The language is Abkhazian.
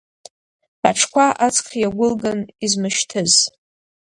Аҽқәа аҵх иагәылган измышьҭыз.